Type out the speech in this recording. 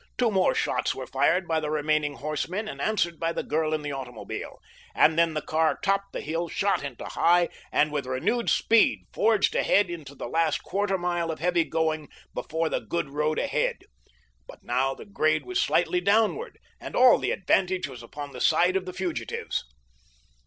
Two more shots were fired by the remaining horsemen and answered by the girl in the automobile, and then the car topped the hill, shot into high, and with renewed speed forged into the last quarter mile of heavy going toward the good road ahead; but now the grade was slightly downward and all the advantage was upon the side of the fugitives.